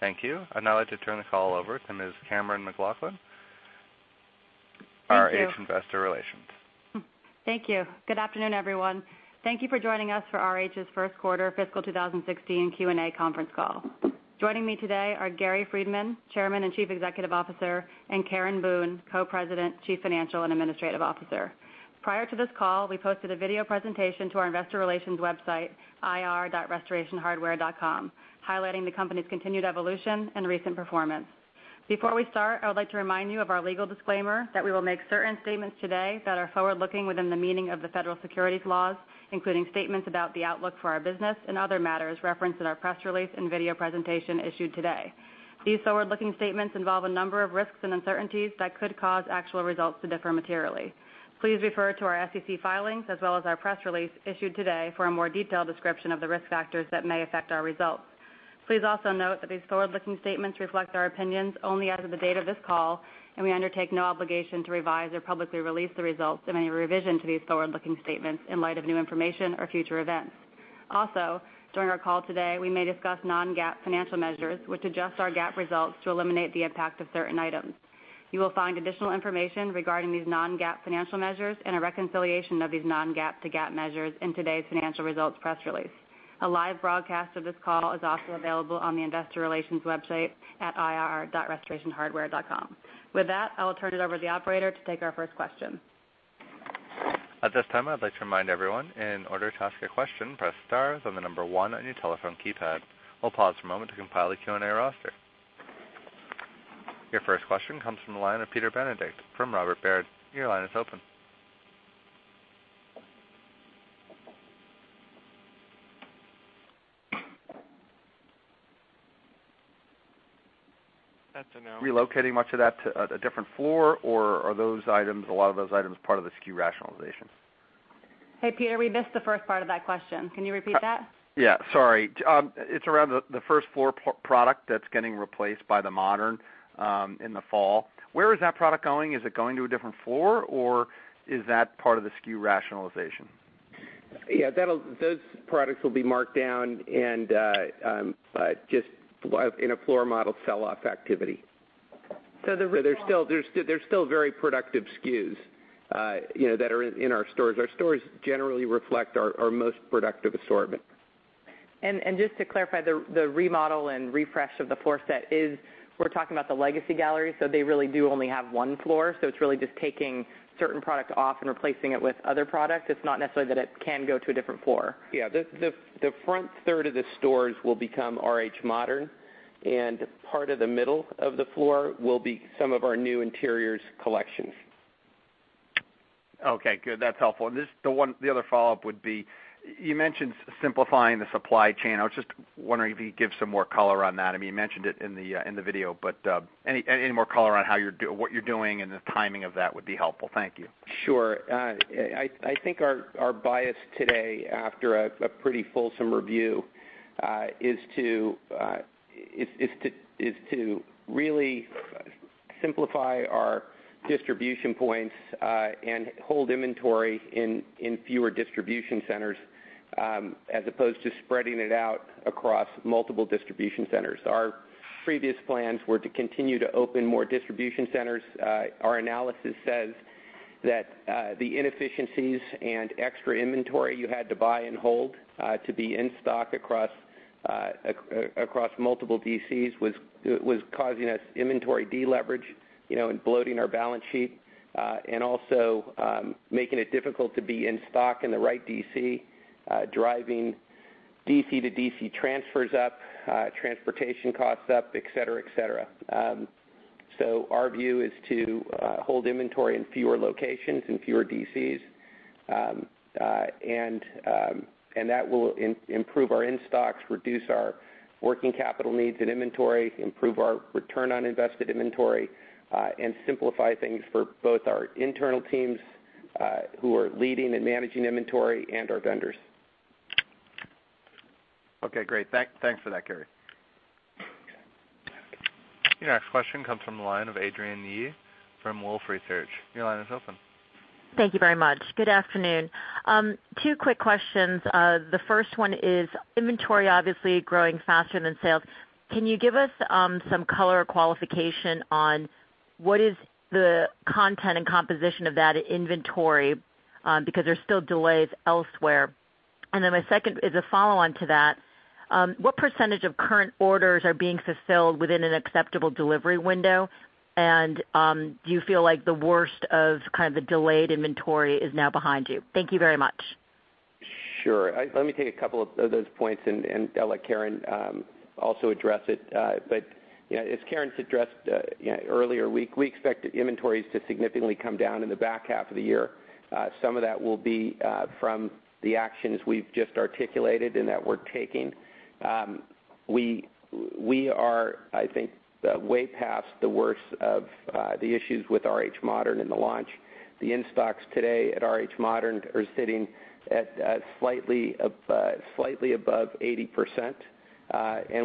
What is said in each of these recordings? Thank you. I'd now like to turn the call over to Ms. Cammeron McLaughlin. Thank you. Our RH investor relations. Thank you. Good afternoon, everyone. Thank you for joining us for RH's first quarter fiscal 2016 Q&A conference call. Joining me today are Gary Friedman, Chairman and Chief Executive Officer, and Karen Boone, Co-President, Chief Financial and Administrative Officer. Prior to this call, we posted a video presentation to our investor relations website, ir.restorationhardware.com, highlighting the company's continued evolution and recent performance. Before we start, I would like to remind you of our legal disclaimer that we will make certain statements today that are forward-looking within the meaning of the Federal Securities laws, including statements about the outlook for our business and other matters referenced in our press release and video presentation issued today. These forward-looking statements involve a number of risks and uncertainties that could cause actual results to differ materially. Please refer to our SEC filings as well as our press release issued today for a more detailed description of the risk factors that may affect our results. Please also note that these forward-looking statements reflect our opinions only as of the date of this call, and we undertake no obligation to revise or publicly release the results of any revision to these forward-looking statements in light of new information or future events. Also, during our call today, we may discuss non-GAAP financial measures, which adjust our GAAP results to eliminate the impact of certain items. You will find additional information regarding these non-GAAP financial measures and a reconciliation of these non-GAAP to GAAP measures in today's financial results press release. A live broadcast of this call is also available on the investor relations website at ir.restorationhardware.com. With that, I will turn it over to the operator to take our first question. At this time, I'd like to remind everyone, in order to ask a question, press stars, then the number one on your telephone keypad. We'll pause for a moment to compile a Q&A roster. Your first question comes from the line of Peter Benedict from Robert Baird. Your line is open. That's a no. Relocating much of that to a different floor, or are a lot of those items part of the SKU rationalization? Hey, Peter, we missed the first part of that question. Can you repeat that? Yeah, sorry. It's around the first floor product that's getting replaced by the Modern in the fall. Where is that product going? Is it going to a different floor, or is that part of the SKU rationalization? Yeah, those products will be marked down and just in a floor model sell-off activity. The remodel- They're still very productive SKUs that are in our stores. Our stores generally reflect our most productive assortment. Just to clarify, the remodel and refresh of the floor set is, we're talking about the legacy gallery, so they really do only have one floor, so it's really just taking certain product off and replacing it with other product. It's not necessarily that it can go to a different floor. Yeah. The front third of the stores will become RH Modern, and part of the middle of the floor will be some of our new RH Interiors collections. Okay, good. That's helpful. The other follow-up would be, you mentioned simplifying the supply chain. I was just wondering if you could give some more color on that. You mentioned it in the video, but any more color on what you're doing and the timing of that would be helpful. Thank you. Sure. I think our bias today, after a pretty fulsome review, is to really simplify our distribution points, and hold inventory in fewer distribution centers, as opposed to spreading it out across multiple distribution centers. Our previous plans were to continue to open more distribution centers. Our analysis says that the inefficiencies and extra inventory you had to buy and hold, to be in stock across multiple DCs, was causing us inventory deleverage, and bloating our balance sheet. Also, making it difficult to be in stock in the right DC, driving DC to DC transfers up, transportation costs up, et cetera. Our view is to hold inventory in fewer locations, in fewer DCs. That will improve our in-stocks, reduce our working capital needs and inventory, improve our return on invested inventory, and simplify things for both our internal teams, who are leading and managing inventory, and our vendors. Okay, great. Thanks for that, Gary. Your next question comes from the line of Adrienne Yih from Wolfe Research. Your line is open. Thank you very much. Good afternoon. Two quick questions. The first one is, inventory obviously growing faster than sales. Can you give us some color or qualification on what is the content and composition of that inventory? Because there's still delays elsewhere. My second is a follow-on to that. What % of current orders are being fulfilled within an acceptable delivery window? Do you feel like the worst of the delayed inventory is now behind you? Thank you very much. Sure. Let me take a couple of those points and I'll let Karen also address it. As Karen's addressed earlier, we expect inventories to significantly come down in the back half of the year. Some of that will be from the actions we've just articulated and that we're taking. We are, I think, way past the worst of the issues with RH Modern and the launch. The in-stocks today at RH Modern are sitting at slightly above 80%.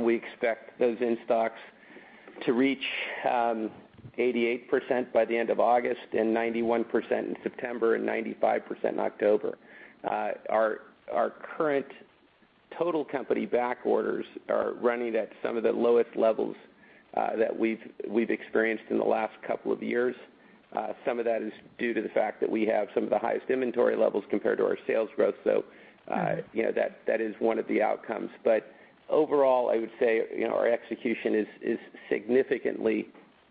We expect those in-stocks to reach 88% by the end of August, 91% in September, and 95% in October. Our current total company back orders are running at some of the lowest levels that we've experienced in the last couple of years. Some of that is due to the fact that we have some of the highest inventory levels compared to our sales growth, so that is one of the outcomes. Overall, I would say our execution is significantly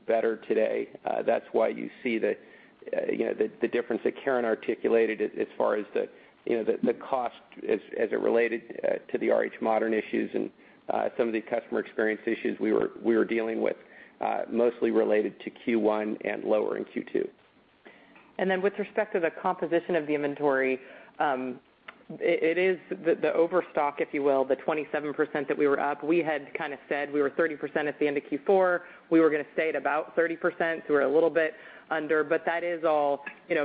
better today. That's why you see the difference that Karen articulated as far as the cost as it related to the RH Modern issues and some of the customer experience issues we were dealing with, mostly related to Q1 and lower in Q2. With respect to the composition of the inventory, it is the overstock, if you will, the 27% that we were up. We had said we were 30% at the end of Q4. We were going to stay at about 30%, so we're a little bit under. That is all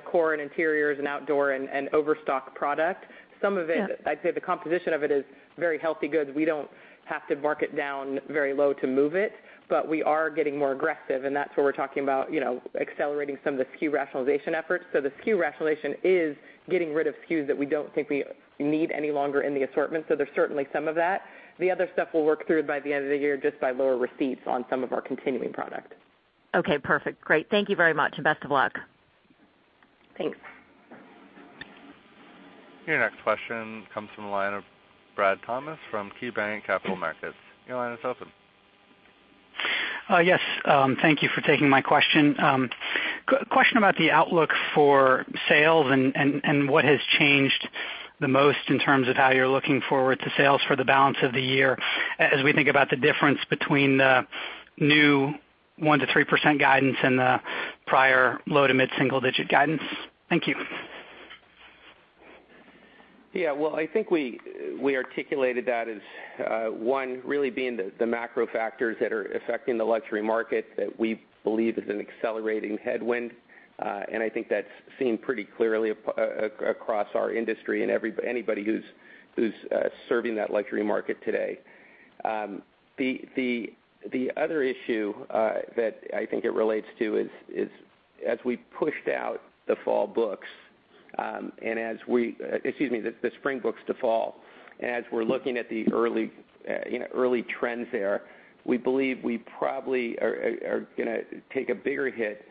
core and interiors and outdoor and overstock product. Yeah I'd say the composition of it is very healthy goods. We don't have to mark it down very low to move it, but we are getting more aggressive, and that's where we're talking about accelerating some of the SKU rationalization efforts. The SKU rationalization is getting rid of SKUs that we don't think we need any longer in the assortment. There's certainly some of that. The other stuff we'll work through by the end of the year just by lower receipts on some of our continuing product. Okay, perfect. Great. Thank you very much, and best of luck. Thanks. Your next question comes from the line of Brad Thomas from KeyBanc Capital Markets. Your line is open. Yes. Thank you for taking my question. Question about the outlook for sales and what has changed the most in terms of how you're looking forward to sales for the balance of the year, as we think about the difference between the new 1%-3% guidance and the prior low to mid-single digit guidance. Thank you. Yeah. Well, I think we articulated that as one really being the macro factors that are affecting the luxury market that we believe is an accelerating headwind. I think that's seen pretty clearly across our industry and anybody who's serving that luxury market today. The other issue that I think it relates to is, as we pushed out the spring books to fall, and as we're looking at the early trends there, we believe we probably are going to take a bigger hit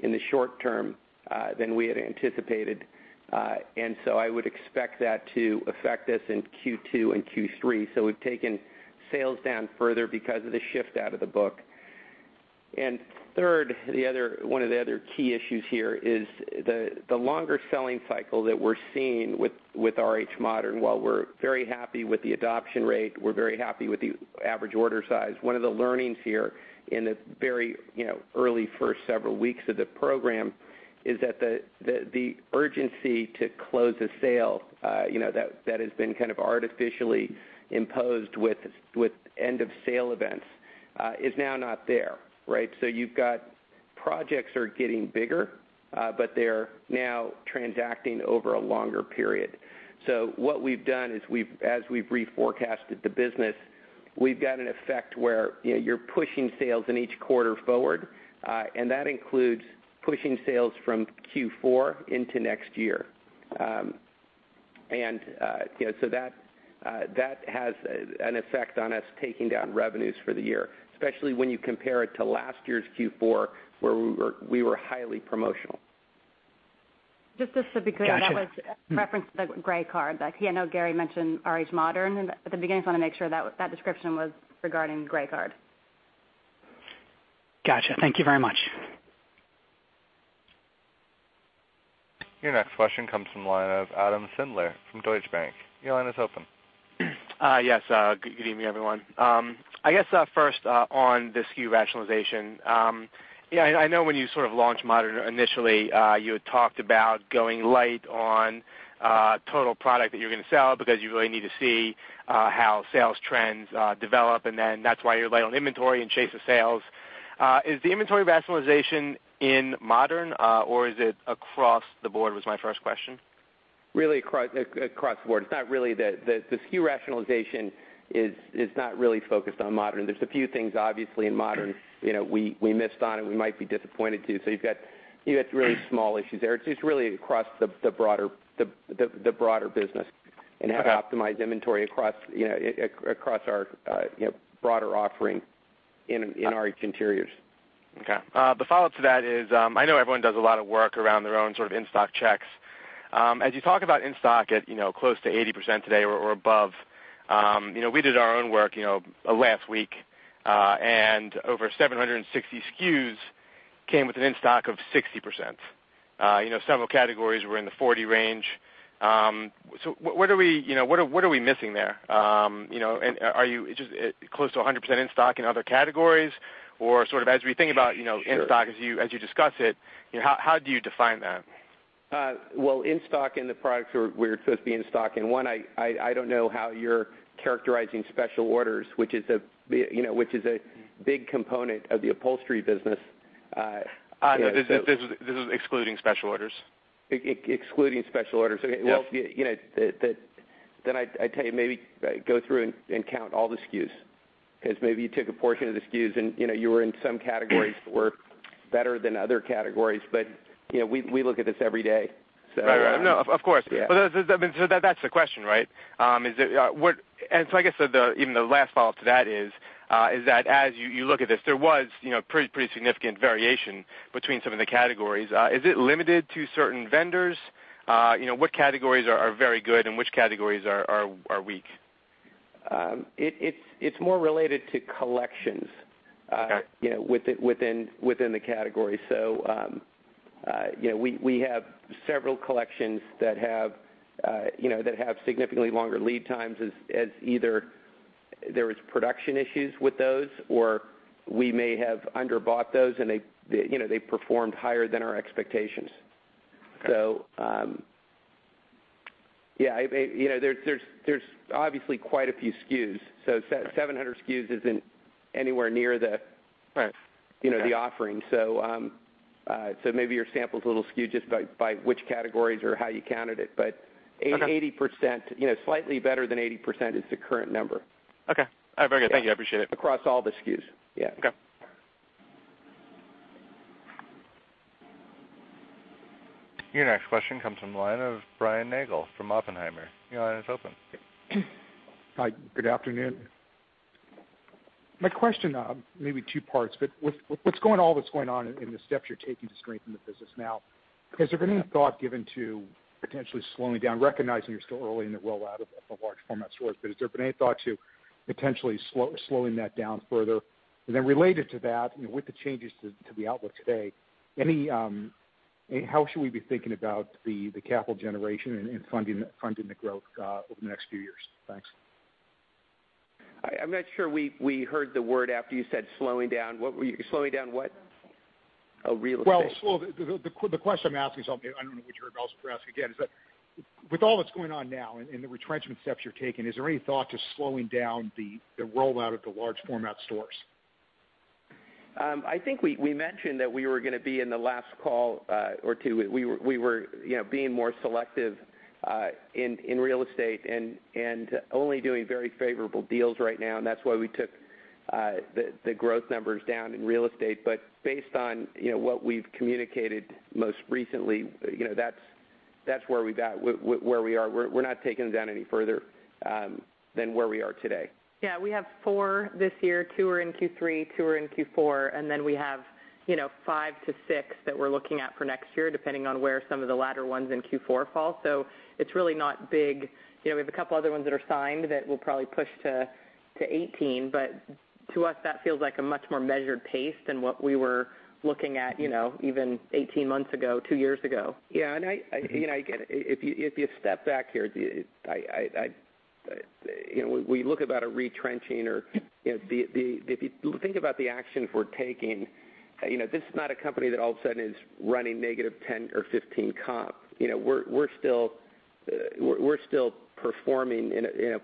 in the short term than we had anticipated. I would expect that to affect us in Q2 and Q3. We've taken sales down further because of the shift out of the book. Third, one of the other key issues here is the longer selling cycle that we're seeing with RH Modern. While we're very happy with the adoption rate, we're very happy with the average order size. One of the learnings here in the very early first several weeks of the program is that the urgency to close a sale that has been kind of artificially imposed with end of sale events, is now not there. Right? You've got projects are getting bigger, but they're now transacting over a longer period. What we've done is as we've reforecasted the business, we've got an effect where you're pushing sales in each quarter forward, and that includes pushing sales from Q4 into next year. That has an effect on us taking down revenues for the year, especially when you compare it to last year's Q4 where we were highly promotional. Just to be clear- Got you. That was reference to the RH Grey Card. I know Gary mentioned RH Modern at the beginning. Just want to make sure that description was regarding RH Grey Card. Got you. Thank you very much. Your next question comes from the line of Adam Sindler from Deutsche Bank. Your line is open. Yes. Good evening, everyone. I guess first, on the SKU rationalization. I know when you sort of launched Modern initially, you had talked about going light on total product that you were going to sell because you really need to see how sales trends develop, and then that's why you're light on inventory and chase the sales. Is the inventory rationalization in Modern or is it across the board? Was my first question. Really across the board. The SKU rationalization is not really focused on Modern. There's a few things, obviously, in Modern we missed on and we might be disappointed too. You've got really small issues there. It's just really across the broader business and how to optimize inventory across our broader offering in RH Interiors. Okay. The follow-up to that is, I know everyone does a lot of work around their own sort of in-stock checks. As you talk about in-stock at close to 80% today or above, we did our own work last week, and over 760 SKUs came with an in-stock of 60%. Several categories were in the 40 range. What are we missing there? Are you just close to 100% in stock in other categories? Or sort of as we think about in stock- Sure as you discuss it, how do you define that? In stock in the products where we're supposed to be in stock. One, I don't know how you're characterizing special orders, which is a big component of the upholstery business. This is excluding special orders. Excluding special orders. Yes. I tell you maybe go through and count all the SKUs, because maybe you took a portion of the SKUs and you were in some categories that were better than other categories. We look at this every day. Right. No, of course. Yeah. That's the question, right? I guess even the last follow-up to that is that as you look at this, there was pretty significant variation between some of the categories. Is it limited to certain vendors? What categories are very good and which categories are weak? It's more related to collections. Okay within the category. We have several collections that have significantly longer lead times as either there was production issues with those or we may have under bought those and they performed higher than our expectations. Okay. Yeah. There's obviously quite a few SKUs. 700 SKUs isn't anywhere near the- Right the offering. Maybe your sample's a little skewed just by which categories or how you counted it. Okay slightly better than 80% is the current number. Okay. All right. Very good. Thank you. I appreciate it. Across all the SKUs. Yeah. Okay. Your next question comes from the line of Brian Nagel from Oppenheimer. Your line is open. Hi. Good afternoon. My question, maybe two parts, but with all that's going on and the steps you're taking to strengthen the business now, has there been any thought given to potentially slowing down, recognizing you're still early in the rollout of the large format stores, but has there been any thought to potentially slowing that down further? Related to that, with the changes to the outlook today, how should we be thinking about the capital generation and funding the growth over the next few years? Thanks. I'm not sure we heard the word after you said slowing down. Slowing down what? Well, the question I'm asking is, I don't know what you heard, but I'll ask again, is that with all that's going on now and the retrenchment steps you're taking, is there any thought to slowing down the rollout of the large format stores? I think we mentioned that we were going to be in the last call or two. We were being more selective in real estate and only doing very favorable deals right now, and that's why we took the growth numbers down in real estate. Based on what we've communicated most recently, that's where we are. We're not taking it down any further than where we are today. Yeah. We have four this year. Two are in Q3, two are in Q4, we have five to six that we're looking at for next year, depending on where some of the latter ones in Q4 fall. It's really not big. We have a couple other ones that are signed that we'll probably push to 2018, but to us, that feels like a much more measured pace than what we were looking at even 18 months ago, two years ago. Yeah. If you step back here, we look about a retrenching, or if you think about the actions we're taking, this is not a company that all of a sudden is running negative 10 or 15 comp. We're still performing in a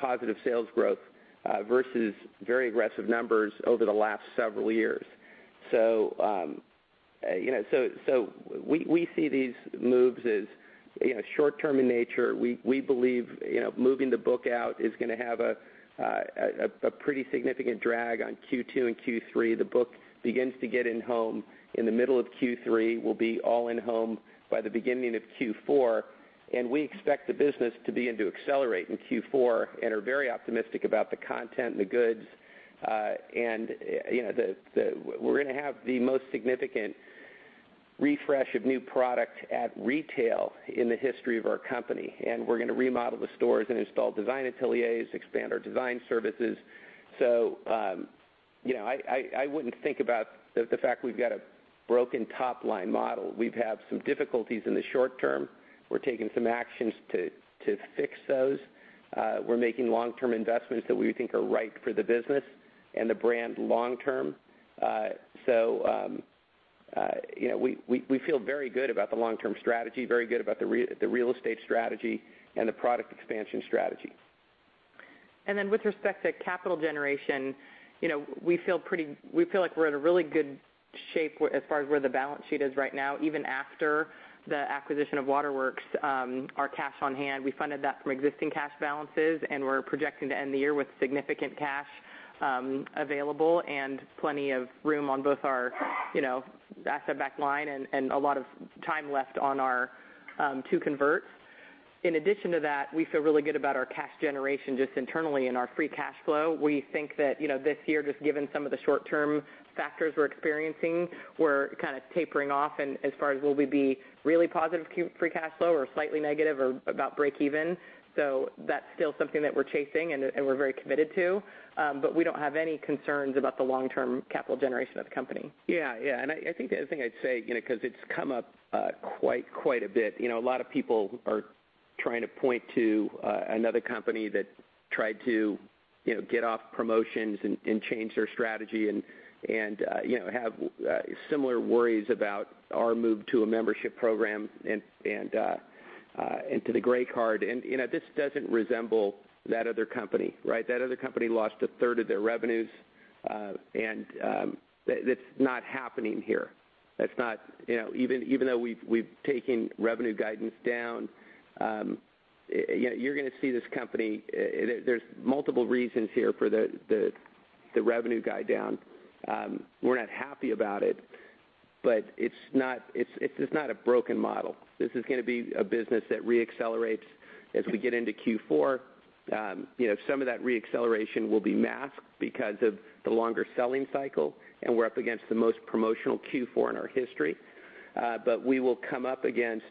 positive sales growth versus very aggressive numbers over the last several years. We see these moves as short term in nature. We believe moving the book out is going to have a pretty significant drag on Q2 and Q3. The book begins to get in home in the middle of Q3, will be all in home by the beginning of Q4, we expect the business to begin to accelerate in Q4 and are very optimistic about the content and the goods. We're going to have the most significant refresh of new product at retail in the history of our company, and we're going to remodel the stores and install design ateliers, expand our design services. I wouldn't think about the fact we've got a broken top-line model. We've had some difficulties in the short term. We're taking some actions to fix those. We're making long-term investments that we think are right for the business and the brand long term. We feel very good about the long-term strategy, very good about the real estate strategy, and the product expansion strategy. With respect to capital generation, we feel like we're in a really good shape as far as where the balance sheet is right now. Even after the acquisition of Waterworks, our cash on hand, we funded that from existing cash balances, and we're projecting to end the year with significant cash available and plenty of room on both our asset-backed line and a lot of time left on our two converts. In addition to that, we feel really good about our cash generation just internally in our free cash flow. We think that this year, just given some of the short-term factors we're experiencing, we're kind of tapering off as far as will we be really positive free cash flow or slightly negative or about break even. That's still something that we're chasing and we're very committed to. We don't have any concerns about the long-term capital generation of the company. Yeah. I think the other thing I'd say, because it's come up quite a bit, a lot of people are trying to point to another company that tried to get off promotions and change their strategy and have similar worries about our move to a membership program and to the Grey Card. This doesn't resemble that other company, right? That other company lost a third of their revenues, and that's not happening here. Even though we've taken revenue guidance down, you're going to see this company. There's multiple reasons here for the revenue guide down. We're not happy about it, but it's not a broken model. This is going to be a business that re-accelerates as we get into Q4. Some of that re-acceleration will be masked because of the longer selling cycle, and we're up against the most promotional Q4 in our history. We will come up against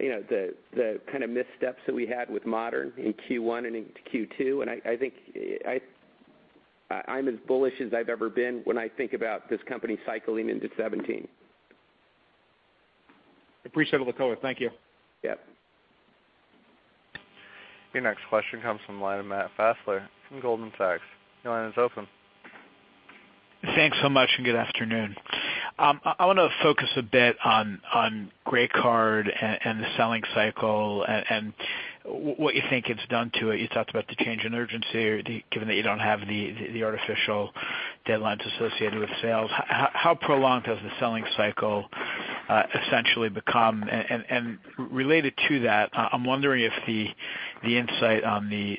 the kind of missteps that we had with Modern in Q1 and in Q2, and I think I'm as bullish as I've ever been when I think about this company cycling into 2017. Appreciate it,. Thank you. Yep. Your next question comes from the line of Matt Fassler from Goldman Sachs. Your line is open. Thanks so much, and good afternoon. I want to focus a bit on Grey Card and the selling cycle, and what you think it's done to it. You talked about the change in urgency, given that you don't have the artificial deadlines associated with sales. How prolonged has the selling cycle essentially become? Related to that, I'm wondering if the insight on the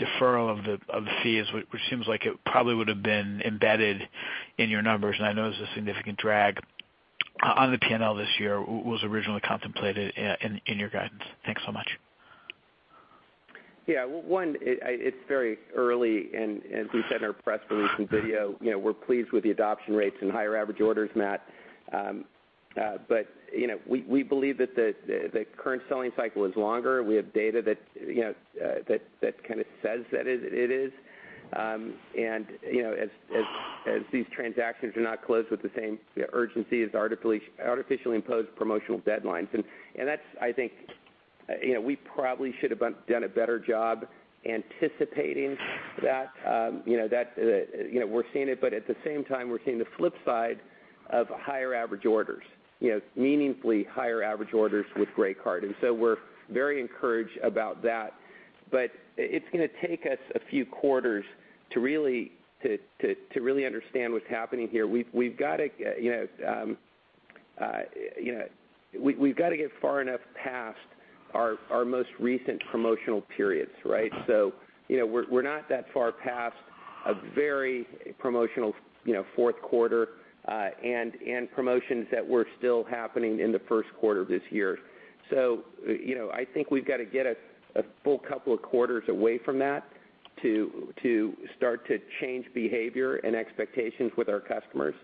deferral of the fees, which seems like it probably would've been embedded in your numbers, and I know this is a significant drag on the P&L this year, was originally contemplated in your guidance. Thanks so much. Yeah. One, it's very early and as we said in our press release and video, we're pleased with the adoption rates and higher average orders, Matt Fassler. We believe that the current selling cycle is longer. We have data that kind of says that it is. As these transactions are not closed with the same urgency as artificially imposed promotional deadlines. That's, I think, we probably should've done a better job anticipating that. We're seeing it, but at the same time, we're seeing the flip side of higher average orders, meaningfully higher average orders with RH Grey Card. We're very encouraged about that. It's going to take us a few quarters to really understand what's happening here. We've got to get far enough past our most recent promotional periods, right? We're not that far past a very promotional fourth quarter and promotions that were still happening in the first quarter of this year. I think we've got to get a full couple of quarters away from that to start to change behavior and expectations with our customers,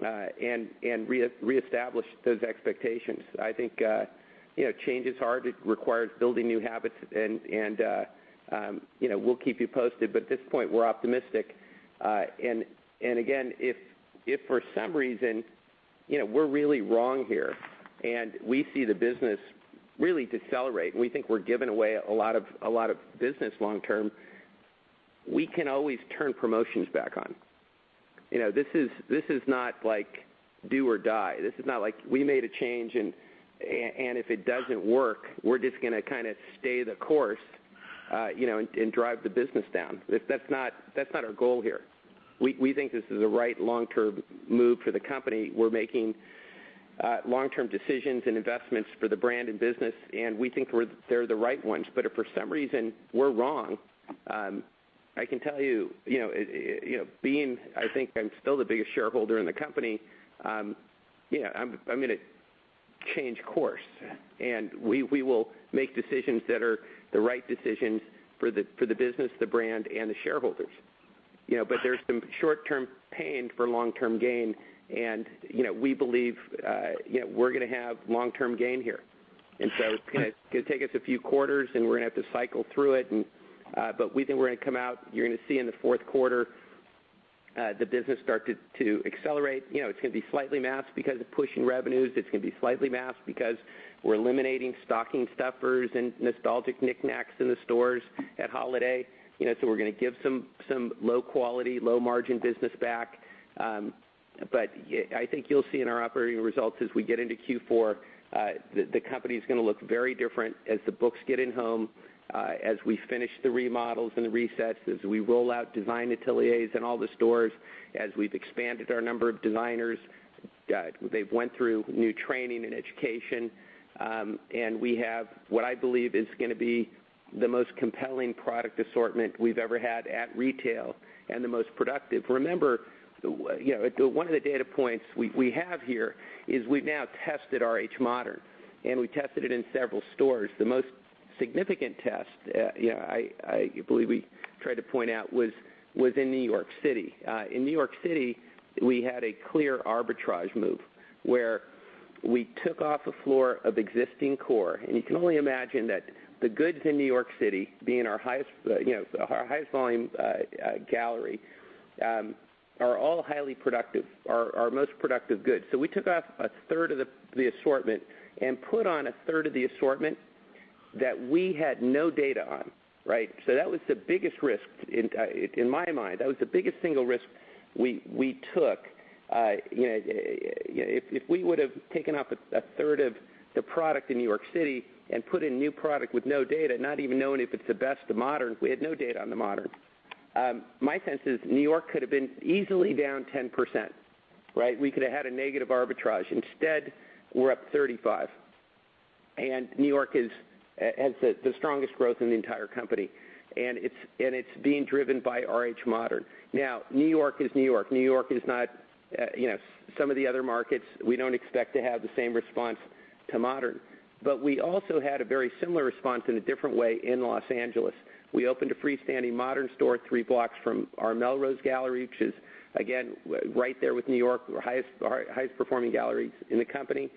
and reestablish those expectations. I think change is hard. It requires building new habits and we'll keep you posted, but at this point, we're optimistic. Again, if for some reason, we're really wrong here and we see the business really decelerate and we think we're giving away a lot of business long-term, we can always turn promotions back on. This is not do or die. This is not like we made a change and if it doesn't work, we're just going to kind of stay the course and drive the business down. That's not our goal here. We think this is the right long-term move for the company. We're making long-term decisions and investments for the brand and business, and we think they're the right ones. If for some reason we're wrong, I can tell you, being I think I'm still the biggest shareholder in the company, I'm going to change course, and we will make decisions that are the right decisions for the business, the brand, and the shareholders. There's some short-term pain for long-term gain, and we believe we're going to have long-term gain here. It's going to take us a few quarters, and we're going to have to cycle through it, but we think we're going to come out. You're going to see in the fourth quarter the business start to accelerate. It's going to be slightly masked because of pushing revenues. It's going to be slightly masked because we're eliminating stocking stuffers and nostalgic knick-knacks in the stores at holiday. We're going to give some low-quality, low-margin business back. I think you'll see in our operating results as we get into Q4, the company's going to look very different as the books get in-home, as we finish the remodels and the resets, as we roll out design ateliers in all the stores, as we've expanded our number of designers. They've went through new training and education. We have what I believe is going to be the most compelling product assortment we've ever had at retail and the most productive. Remember, one of the data points we have here is we've now tested RH Modern, and we tested it in several stores. The most significant test, I believe we tried to point out, was in New York City. In New York City, we had a clear arbitrage move where we took off a floor of existing core. You can only imagine that the goods in New York City, being our highest volume gallery, are all highly productive, our most productive goods. We took off a third of the assortment and put on a third of the assortment that we had no data on. That was the biggest risk in my mind. That was the biggest single risk we took. If we would've taken up a third of the product in New York City and put in new product with no data, not even knowing if it's the best of Modern, we had no data on the Modern. My sense is New York could have been easily down 10%. We could've had a negative arbitrage. Instead, we're up 35%, and New York has the strongest growth in the entire company, and it's being driven by RH Modern. New York is New York. Some of the other markets, we don't expect to have the same response to Modern. We also had a very similar response in a different way in Los Angeles. We opened a freestanding Modern store three blocks from our Melrose gallery, which is, again, right there with New York, our highest-performing galleries in the company.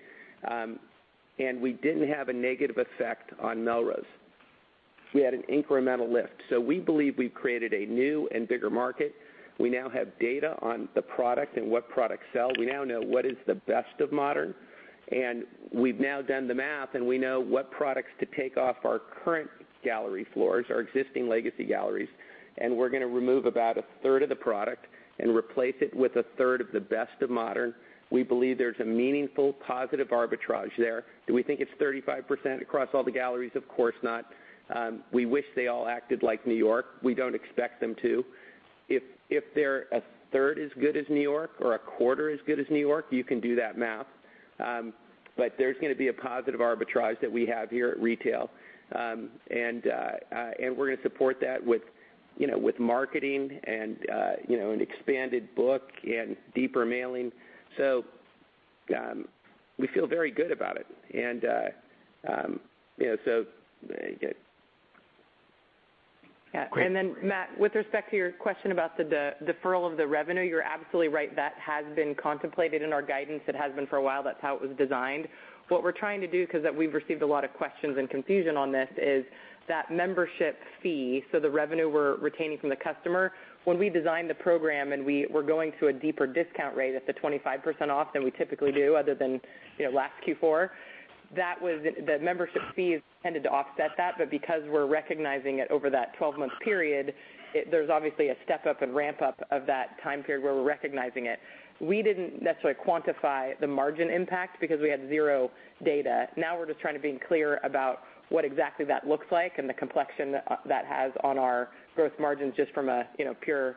We didn't have a negative effect on Melrose. We had an incremental lift. We believe we've created a new and bigger market. We now have data on the product and what products sell. We now know what is the best of Modern, and we've now done the math, and we know what products to take off our current gallery floors, our existing legacy galleries. We're going to remove about a third of the product and replace it with a third of the best of Modern. We believe there's a meaningful positive arbitrage there. Do we think it's 35% across all the galleries? Of course not. We wish they all acted like New York. We don't expect them to. If they're a third as good as New York or a quarter as good as New York, you can do that math. There's going to be a positive arbitrage that we have here at retail. We're going to support that with marketing and an expanded book and deeper mailing. We feel very good about it. There you go. Yeah. Matt, with respect to your question about the deferral of the revenue, you're absolutely right. That has been contemplated in our guidance. It has been for a while. That's how it was designed. What we're trying to do, because we've received a lot of questions and confusion on this, is that membership fee, so the revenue we're retaining from the customer, when we designed the program and we were going to a deeper discount rate at the 25% off than we typically do other than last Q4, the membership fees tended to offset that. Because we're recognizing it over that 12-month period, there's obviously a step up and ramp up of that time period where we're recognizing it. We didn't necessarily quantify the margin impact because we had zero data. We're just trying to be clear about what exactly that looks like and the complexion that has on our gross margins just from a pure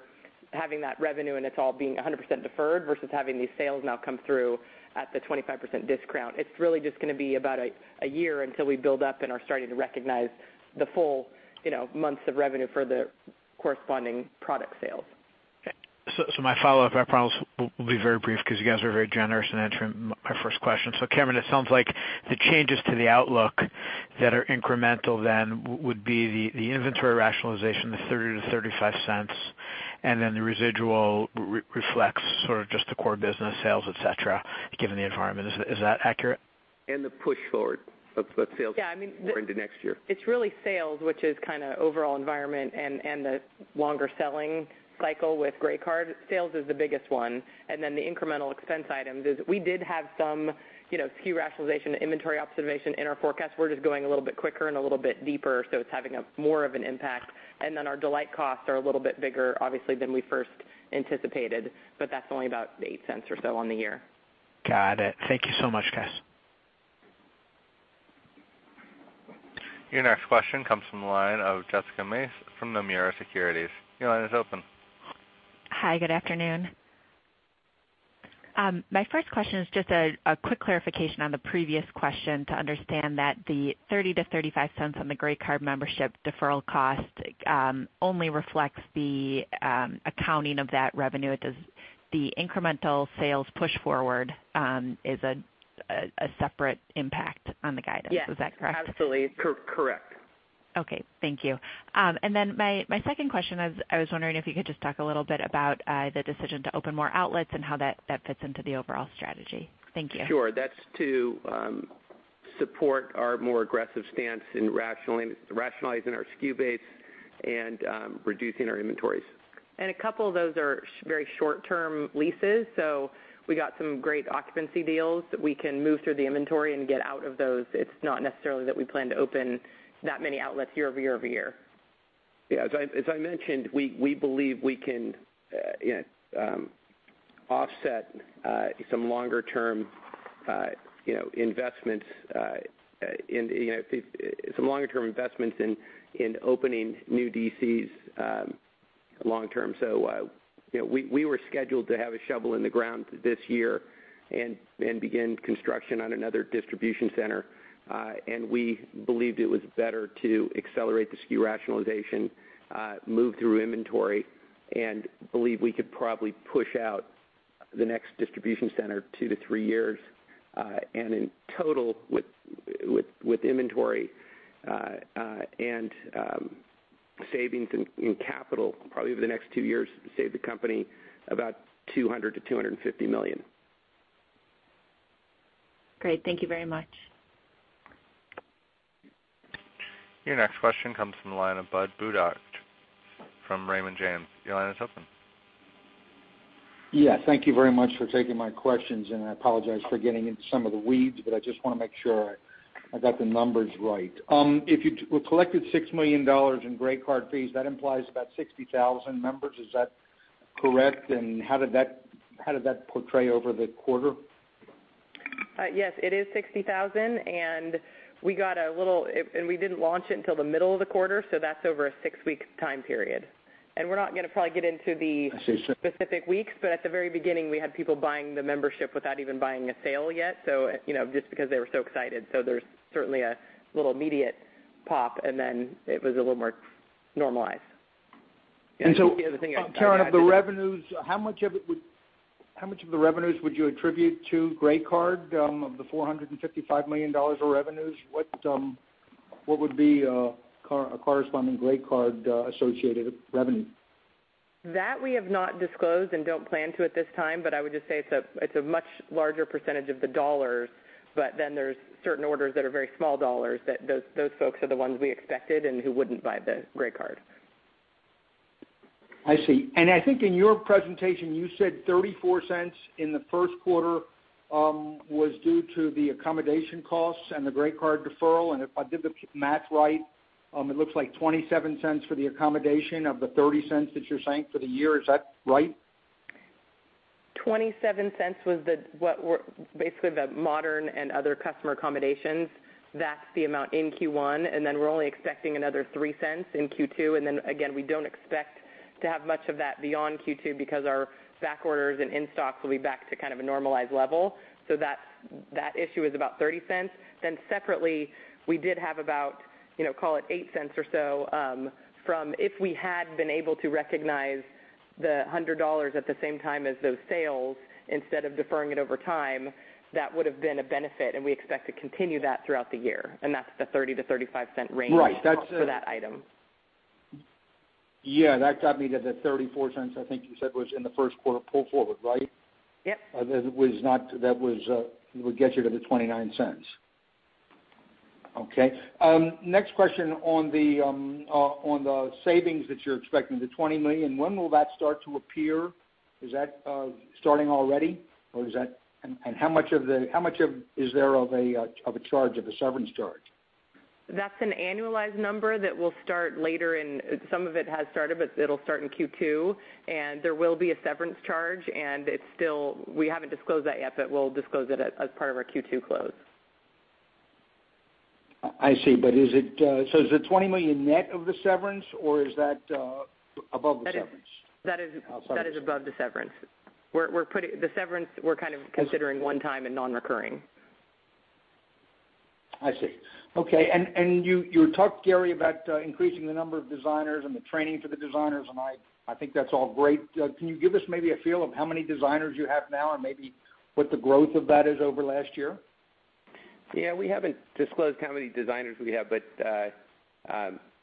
having that revenue and it's all being 100% deferred versus having these sales now come through at the 25% discount. It's really just going to be about a year until we build up and are starting to recognize the full months of revenue for the corresponding product sales. My follow-up, I promise will be very brief because you guys were very generous in answering my first question. Cammeron, it sounds like the changes to the outlook that are incremental then would be the inventory rationalization, the $0.30-$0.35, and then the residual reflects sort of just the core business sales, et cetera, given the environment. Is that accurate? The push forward of sales- Yeah more into next year. It's really sales, which is kind of overall environment and the longer selling cycle with RH Grey Card. Sales is the biggest one. The incremental expense items is we did have some SKU rationalization and inventory observation in our forecast. We're just going a little bit quicker and a little bit deeper, so it's having more of an impact. Our Delight costs are a little bit bigger, obviously, than we first anticipated, but that's only about $0.08 or so on the year. Got it. Thank you so much, guys. Your next question comes from the line of Jessica Mace from Nomura Securities. Your line is open. Hi, good afternoon. My first question is just a quick clarification on the previous question to understand that the $0.30-$0.35 on the RH Grey Card membership deferral cost only reflects the accounting of that revenue. The incremental sales push forward is a separate impact on the guidance. Is that correct? Yes, absolutely. Correct. Okay, thank you. My second question is, I was wondering if you could just talk a little bit about the decision to open more outlets and how that fits into the overall strategy. Thank you. Sure. That's to support our more aggressive stance in rationalizing our SKU base and reducing our inventories. A couple of those are very short-term leases, so we got some great occupancy deals that we can move through the inventory and get out of those. It's not necessarily that we plan to open that many outlets year over year over year. Yeah. As I mentioned, we believe we can offset some longer-term investments in opening new DCs long term. We were scheduled to have a shovel in the ground this year and begin construction on another distribution center. We believed it was better to accelerate the SKU rationalization, move through inventory, and believe we could probably push out the next distribution center 2-3 years. In total, with inventory and savings in capital, probably over the next two years, save the company about $200 million-$250 million. Great. Thank you very much. Your next question comes from the line of Budd Bugatch from Raymond James. Your line is open. Yes. Thank you very much for taking my questions. I apologize for getting into some of the weeds, I just want to make sure I got the numbers right. If you collected $6 million in Grey Card fees, that implies about 60,000 members. Is that correct? How did that portray over the quarter? Yes, it is 60,000, and we didn't launch it until the middle of the quarter, so that's over a six-week time period. We're not going to probably get into the. I see specific weeks, but at the very beginning, we had people buying the membership without even buying a sale yet, just because they were so excited. There's certainly a little immediate pop, and then it was a little more normalized. The other thing I. Karen, of the revenues, how much of the revenues would you attribute to Grey Card out of the $455 million of revenues? What would be a corresponding Grey Card-associated revenue? That we have not disclosed and don't plan to at this time. I would just say it's a much larger percentage of the $. There's certain orders that are very small $ that those folks are the ones we expected and who wouldn't buy the RH Grey Card. I see. I think in your presentation, you said $0.34 in the first quarter was due to the accommodation costs and the RH Grey Card deferral. If I did the math right, it looks like $0.27 for the accommodation of the $0.30 that you're saying for the year. Is that right? $0.27 was basically the Modern and other customer accommodations. That's the amount in Q1. We're only expecting another $0.03 in Q2. Again, we don't expect to have much of that beyond Q2 because our back orders and in-stocks will be back to kind of a normalized level. That issue is about $0.30. Separately, we did have about, call it $0.08 or so, from if we had been able to recognize the $100 at the same time as those sales instead of deferring it over time, that would have been a benefit. We expect to continue that throughout the year. That's the $0.30-$0.35 range. Right. That's. for that item. Yeah. That got me to the $0.34 I think you said was in the first quarter pull forward, right? Yep. That would get you to the $0.29. Okay. Next question on the savings that you're expecting, the $20 million. When will that start to appear? Is that starting already? How much is there of a charge, of a severance charge? That's an annualized number that will start later in Some of it has started, but it'll start in Q2, and there will be a severance charge. We haven't disclosed that yet, but we'll disclose it as part of our Q2 close. I see. Is the $20 million net of the severance, or is that above the severance? That is above the severance. The severance, we're kind of considering one-time and non-recurring. I see. Okay. You talked, Gary, about increasing the number of designers and the training for the designers, and I think that's all great. Can you give us maybe a feel of how many designers you have now and maybe what the growth of that is over last year? Yeah. We haven't disclosed how many designers we have, but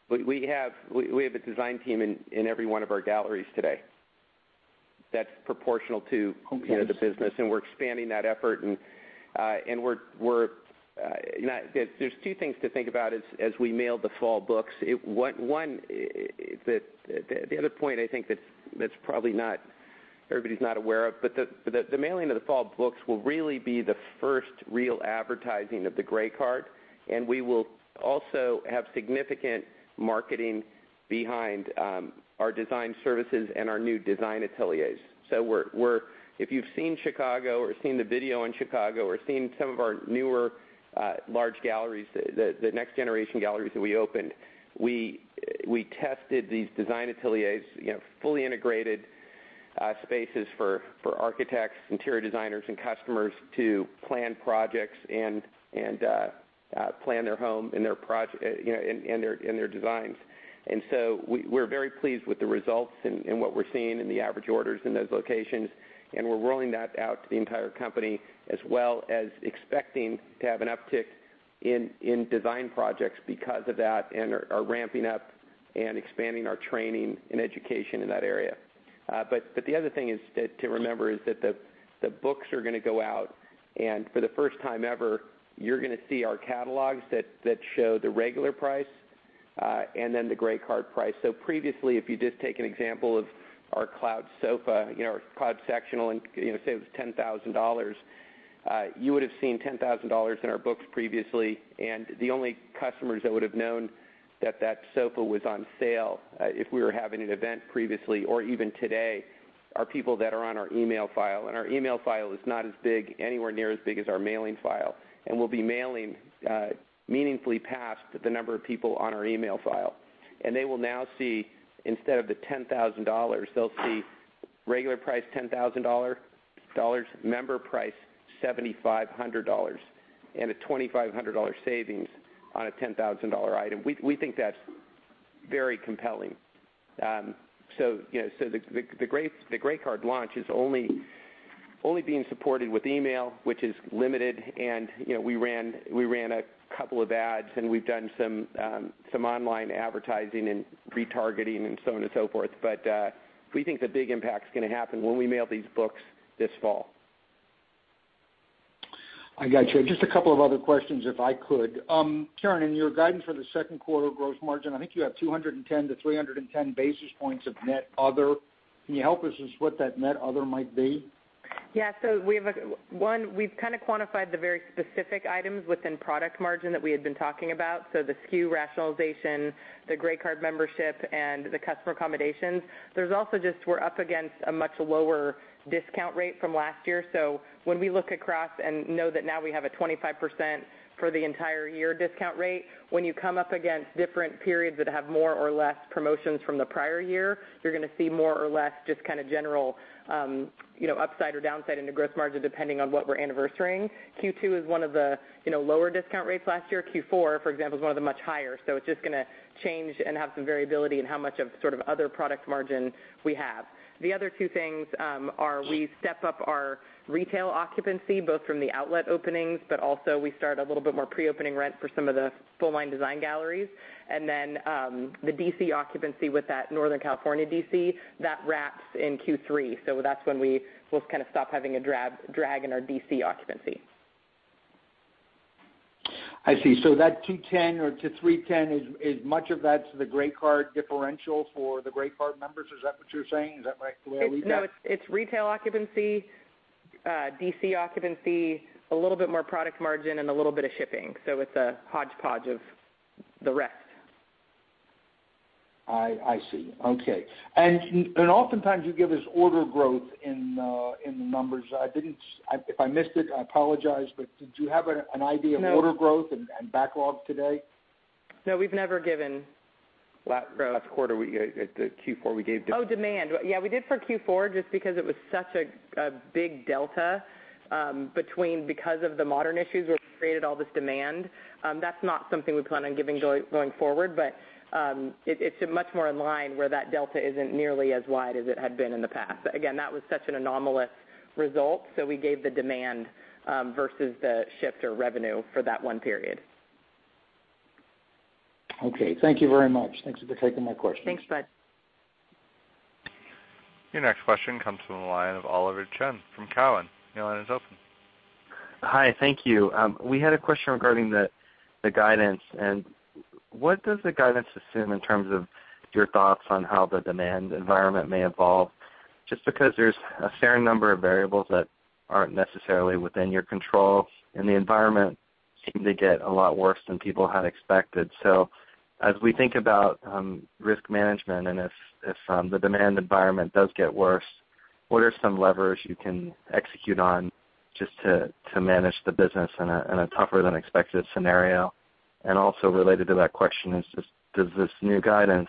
we have a design team in every one of our galleries today that's proportional to the business, and we're expanding that effort. There's two things to think about as we mail the fall books. The other point I think that everybody's not aware of, but the mailing of the fall books will really be the first real advertising of the RH Grey Card, and we will also have significant marketing behind our design services and our new design ateliers. If you've seen Chicago or seen the video on Chicago or seen some of our newer large galleries, the next generation galleries that we opened, we tested these design ateliers, fully integrated spaces for architects, interior designers, and customers to plan projects and plan their home and their designs. We're very pleased with the results and what we're seeing in the average orders in those locations, and we're rolling that out to the entire company, as well as expecting to have an uptick in design projects because of that and are ramping up and expanding our training and education in that area. The other thing to remember is that the books are going to go out, and for the first time ever, you're going to see our catalogs that show the regular price and then the Grey Card price. Previously, if you just take an example of our Cloud Sofa, our Cloud Sectional, and say it was $10,000, you would've seen $10,000 in our books previously, and the only customers that would've known that that sofa was on sale, if we were having an event previously or even today, are people that are on our email file. Our email file is not as big, anywhere near as big as our mailing file. We'll be mailing meaningfully past the number of people on our email file. They will now see instead of the $10,000, they'll see regular price $10,000, member price $7,500, and a $2,500 savings on a $10,000 item. We think that's very compelling. The Grey Card launch is only being supported with email, which is limited, and we ran a couple of ads, and we've done some online advertising and retargeting and so on and so forth. We think the big impact's going to happen when we mail these books this fall. I got you. Just a couple of other questions, if I could. Karen, in your guidance for the second quarter gross margin, I think you have 210 basis points-310 basis points of net other. Can you help us with what that net other might be? One, we've kind of quantified the very specific items within product margin that we had been talking about. The SKU rationalization, the RH Grey Card membership, and the customer accommodations. There's also, we're up against a much lower discount rate from last year. When we look across and know that now we have a 25% for the entire year discount rate, when you come up against different periods that have more or less promotions from the prior year, you're going to see more or less kind of general upside or downside into gross margin, depending on what we're anniversarying. Q2 is one of the lower discount rates last year. Q4, for example, is one of the much higher. It's going to change and have some variability in how much of other product margin we have. The other two things are we step up our retail occupancy, both from the outlet openings, but also we start a little bit more pre-opening rent for some of the full-line design galleries. The DC occupancy with that Northern California DC, that wraps in Q3. That's when we will stop having a drag in our DC occupancy. I see. That 210 or to 310, much of that's the RH Grey Card differential for the RH Grey Card members. Is that what you're saying? Is that correctly? No, it's retail occupancy, DC occupancy, a little bit more product margin, and a little bit of shipping. It's a hodgepodge of the rest. I see. Okay. Oftentimes you give us order growth in the numbers. If I missed it, I apologize, but did you have an idea of order growth and backlog today? No. No, we've never given Last quarter, the Q4, we gave- Oh, demand. Yeah, we did for Q4 just because it was such a big delta between because of the RH Modern issues which created all this demand. That's not something we plan on giving going forward. It's much more in line where that delta isn't nearly as wide as it had been in the past. Again, that was such an anomalous result, so we gave the demand, versus the shift or revenue for that one period. Okay. Thank you very much. Thanks for taking my questions. Thanks, Budd. Your next question comes from the line of Oliver Chen from Cowen. Your line is open. Hi. Thank you. We had a question regarding the guidance. What does the guidance assume in terms of your thoughts on how the demand environment may evolve? Just because there's a fair number of variables that aren't necessarily within your control, and the environment seemed to get a lot worse than people had expected. As we think about risk management, and if the demand environment does get worse, what are some levers you can execute on just to manage the business in a tougher than expected scenario? Also related to that question is, does this new guidance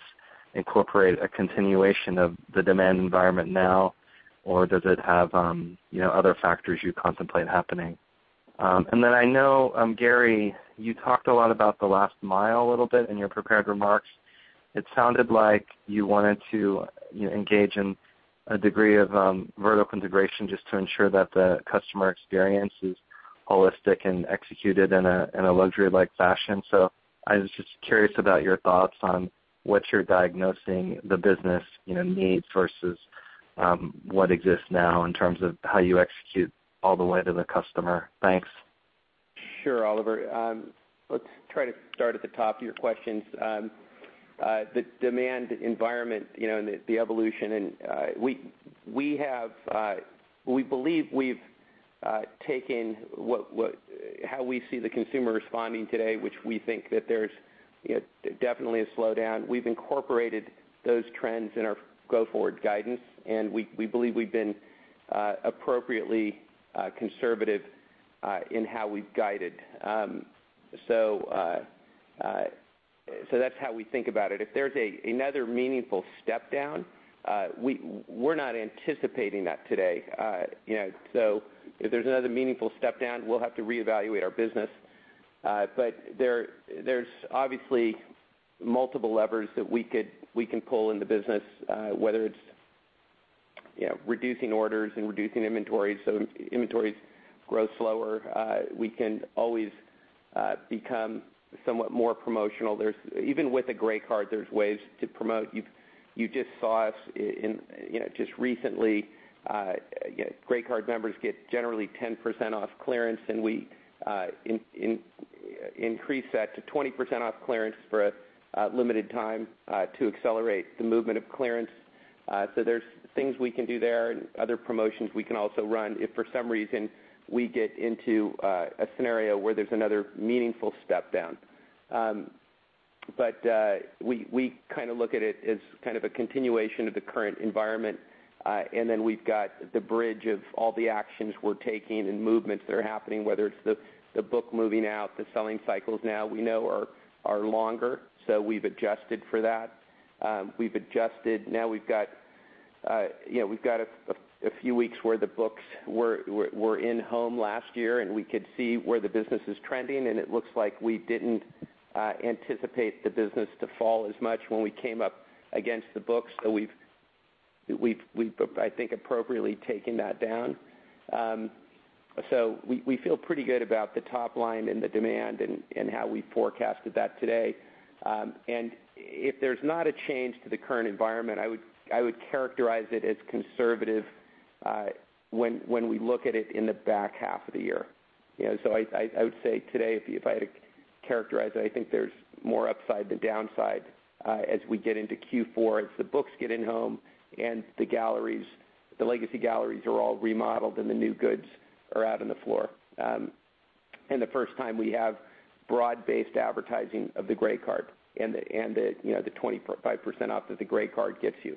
incorporate a continuation of the demand environment now, or does it have other factors you contemplate happening? Then I know, Gary, you talked a lot about the last mile a little bit in your prepared remarks. It sounded like you wanted to engage in a degree of vertical integration just to ensure that the customer experience is holistic and executed in a luxury-like fashion. I was just curious about your thoughts on what you're diagnosing the business needs versus what exists now in terms of how you execute all the way to the customer. Thanks. Sure, Oliver. Let's try to start at the top of your questions. The demand environment, and the evolution. We believe we've taken how we see the consumer responding today, which we think that there's definitely a slowdown. We've incorporated those trends in our go-forward guidance, and we believe we've been appropriately conservative in how we've guided. That's how we think about it. If there's another meaningful step down, we're not anticipating that today. If there's another meaningful step down, we'll have to reevaluate our business. There's obviously multiple levers that we can pull in the business. Whether it's reducing orders and reducing inventories so inventories grow slower. We can always become somewhat more promotional. Even with a Grey Card, there's ways to promote. You just saw us just recently, Grey Card members get generally 10% off clearance, and we increased that to 20% off clearance for a limited time to accelerate the movement of clearance. There's things we can do there and other promotions we can also run if for some reason we get into a scenario where there's another meaningful step down. We look at it as kind of a continuation of the current environment. Then we've got the bridge of all the actions we're taking and movements that are happening, whether it's the book moving out, the selling cycles now we know are longer, so we've adjusted for that. We've got a few weeks where the books were in home last year, and we could see where the business is trending, and it looks like we didn't anticipate the business to fall as much when we came up against the books. We've, I think, appropriately taken that down. We feel pretty good about the top line and the demand and how we forecasted that today. If there's not a change to the current environment, I would characterize it as conservative when we look at it in the back half of the year. I would say today, if I had to characterize it, I think there's more upside than downside as we get into Q4, as the books get in home and the legacy galleries are all remodeled and the new goods are out on the floor. The first time we have broad-based advertising of the RH Grey Card and the 25% off that the RH Grey Card gets you.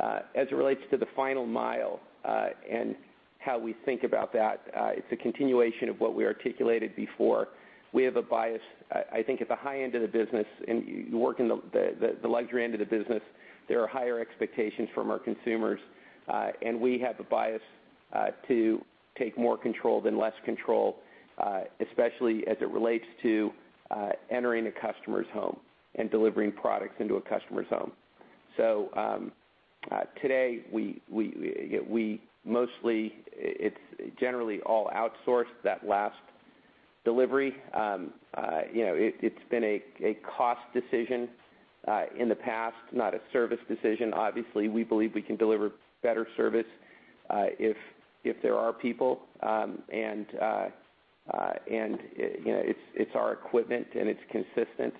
As it relates to the final mile, and how we think about that, it's a continuation of what we articulated before. We have a bias, I think, at the high end of the business, and you work in the luxury end of the business, there are higher expectations from our consumers. We have a bias to take more control than less control, especially as it relates to entering a customer's home and delivering products into a customer's home. Today, it's generally all outsourced, that last delivery. It's been a cost decision in the past, not a service decision. Obviously, we believe we can deliver better service if there are people, and it's our equipment and it's consistent.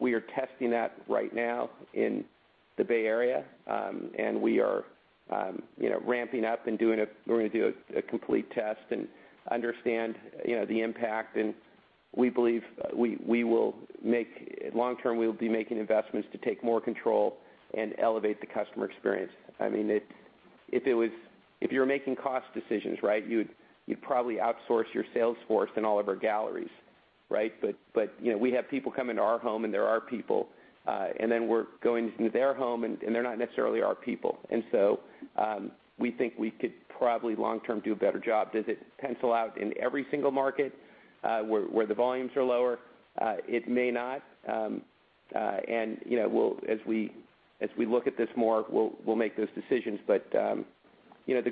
We are testing that right now in the Bay Area, and we are ramping up and we're going to do a complete test and understand the impact. We believe, long-term, we'll be making investments to take more control and elevate the customer experience. If you're making cost decisions, you'd probably outsource your sales force in all of our galleries. We have people come into our home, and they're our people. Then we're going into their home, and they're not necessarily our people. We think we could probably, long term, do a better job. Does it pencil out in every single market where the volumes are lower? It may not. As we look at this more, we'll make those decisions. The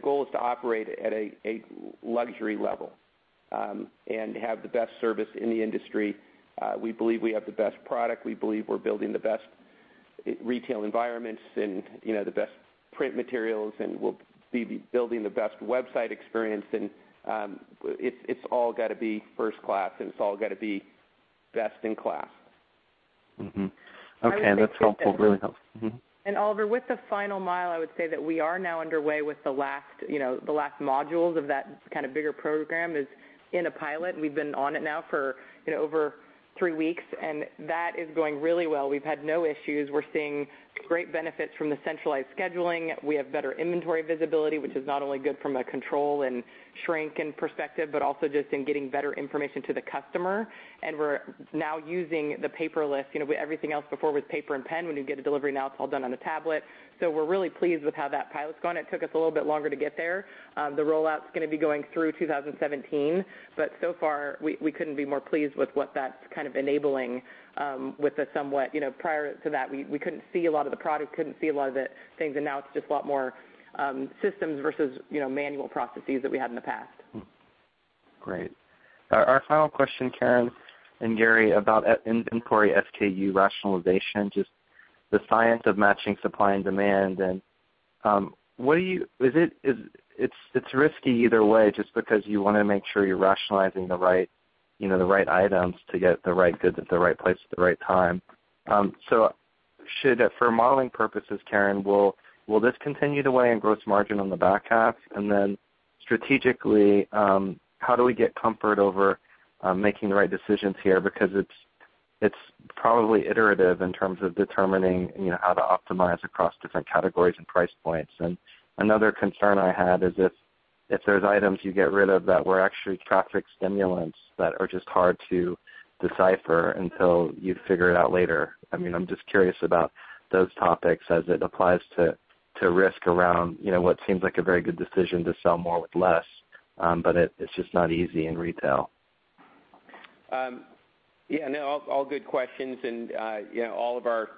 goal is to operate at a luxury level and have the best service in the industry. We believe we have the best product. We believe we're building the best retail environments and the best print materials, and we'll be building the best website experience. It's all got to be first class, and it's all got to be best in class. Okay. That's helpful. Really helpful. Oliver, with the final mile, I would say that we are now underway with the last modules of that bigger program is in a pilot. We've been on it now for over three weeks, and that is going really well. We've had no issues. We're seeing great benefits from the centralized scheduling. We have better inventory visibility, which is not only good from a control and shrink end perspective, but also just in getting better information to the customer. We're now using the paperless. Everything else before was paper and pen when you get a delivery. Now it's all done on a tablet. We're really pleased with how that pilot's gone. It took us a little bit longer to get there. The rollout's going to be going through 2017. So far, we couldn't be more pleased with what that's enabling. Prior to that, we couldn't see a lot of the product, couldn't see a lot of the things, now it's just a lot more systems versus manual processes that we had in the past. Great. Our final question, Karen and Gary, about inventory SKU rationalization, just the science of matching supply and demand, it's risky either way, just because you want to make sure you're rationalizing the right items to get the right goods at the right place at the right time. For modeling purposes, Karen, will this continue to weigh on gross margin on the back half? Then strategically, how do we get comfort over making the right decisions here? Because it's probably iterative in terms of determining how to optimize across different categories and price points. Another concern I had is if there's items you get rid of that were actually traffic stimulants that are just hard to decipher until you figure it out later. I'm just curious about those topics as it applies to risk around what seems like a very good decision to sell more with less. It's just not easy in retail. Yeah, no, all good questions. All of our